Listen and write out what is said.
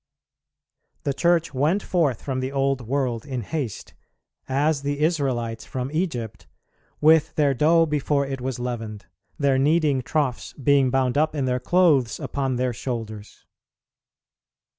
The Church went forth from the old world in haste, as the Israelites from Egypt "with their dough before it was leavened, their kneading troughs being bound up in their clothes upon their shoulders."